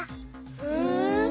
ふん。